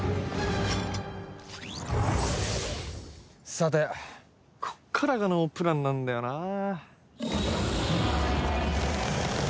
さてここからがノープランなんだよなあ。